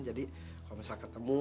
jadi kalau misal ketemu